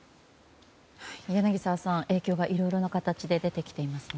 柳澤さん影響がいろいろな形で出ていますね。